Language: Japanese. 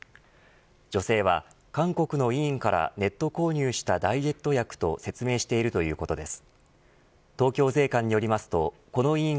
女性は韓国の医院からネット購入したダイエット薬と説明しているということです。